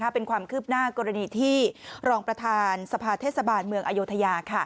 เป็นความคืบหน้ากรณีที่รองประธานสภาเทศบาลเมืองอโยธยา